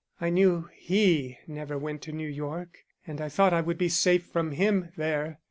I knew he never went to New York, and I thought I would be safe from him there.